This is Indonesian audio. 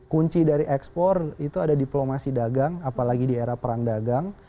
kunci dari ekspor itu ada diplomasi dagang apalagi di era perang dagang